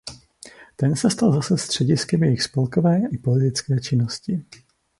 Ten se stal zase střediskem jejich spolkové i politické činnosti.